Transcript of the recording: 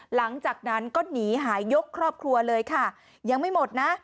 หลังจากนั้นก็หนีหายยกครอบครัวเลยค่ะยังไม่หมดนะ